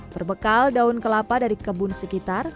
berbekal daun kelapa dari kebun sekitar